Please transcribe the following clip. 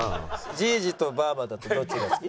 「じいじとばあばだとどっちが好き？」。